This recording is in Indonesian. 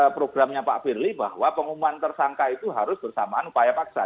programnya pak firly bahwa pengumuman tersangka itu harus bersamaan upaya paksa